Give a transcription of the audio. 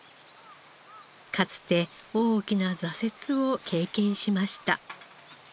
かつて大きな挫折を経験しました。